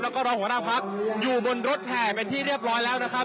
แล้วก็รองหัวหน้าพักอยู่บนรถแห่เป็นที่เรียบร้อยแล้วนะครับ